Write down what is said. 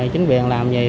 chính quyền làm gì